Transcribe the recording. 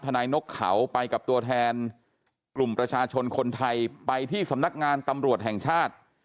นายนกเขาไปกับตัวแทนกลุ่มประชาชนคนไทยไปที่สำนักงานตำรวจแห่งชาติ